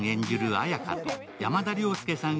綾華と山田涼介さん